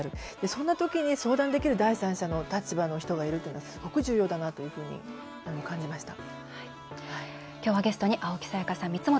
そんな時に相談できる第三者の立場の人がいるというのはすごく重要だなというふうに感じました。